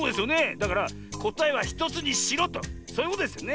だからこたえは１つにしろとそういうことですよね？